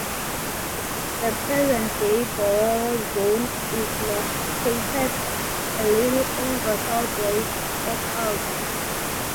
The present day Barolo zone is located a little over southwest of Alba.